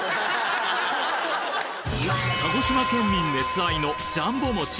鹿児島県民熱愛のジャンボ餅